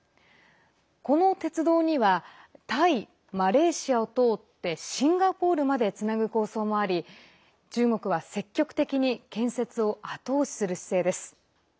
この鉄道にはタイ、マレーシアを通ってシンガポールまでつなぐ構想もあり中国は積極的に建設を後押しする姿勢です。